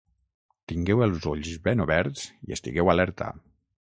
Tingueu els ulls ben oberts i estigueu alerta.